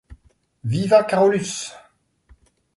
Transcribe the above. Vivat Carolus!